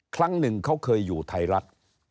ครั้งหนึ่งเขาเคยอยู่ไทยรัฐ